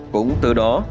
cũng từ đó